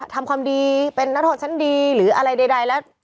ทำความดีเป็นนักโทษชั้นดีหรืออะไรใดแล้ว